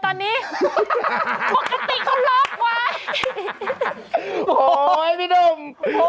หายจริง